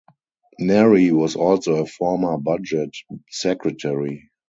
Neri was also a former Budget Secretary.